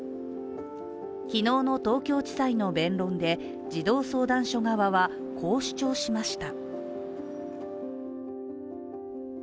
昨日の東京地裁の弁論で児童相談所側は、こう主張しました。